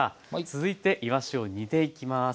続いていわしを煮ていきます。